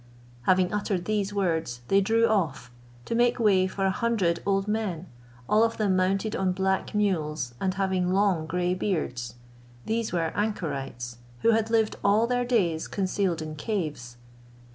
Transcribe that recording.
Having uttered these words, they drew off, to make way for a hundred old men, all of them mounted on black mules, and having long grey beards. These were anchorites, who had lived all their days concealed in caves.